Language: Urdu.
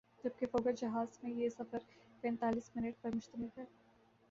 جبکہ فوکر جہاز میں یہ سفر پینتایس منٹ پر مشتمل ہے ۔